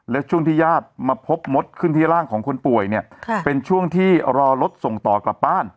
และช่วงที่ญาติมาพบมดขึ้นที่ร่างของคนป่วยเนี่ยเป็นช่วงที่รอรถส่งต่อกลับบ้าน